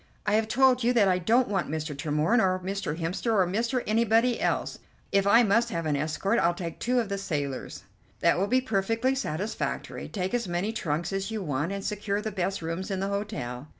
"I have told you that I don't want Mr. Tremorne, or Mr. Hemster, or Mr. Anybody else. If I must have an escort I'll take two of the sailors." "That will be perfectly satisfactory. Take as many trunks as you want, and secure the best rooms in the hotel."